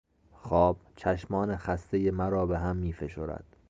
خواب، چشمان خستهی مرا بههم میفشرد.